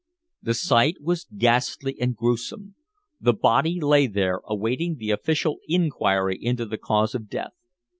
The sight was ghastly and gruesome; the body lay there awaiting the official inquiry into the cause of death.